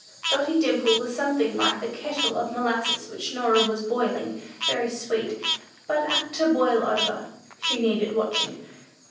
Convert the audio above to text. Dotty Dimple was something like the kettle of molasses which Norah was boiling, very sweet, but very apt to boil over: she needed watching.